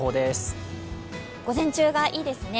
午前中がいいですね。